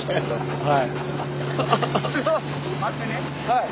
はい。